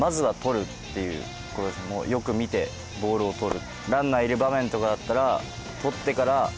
よく見てボールを捕る。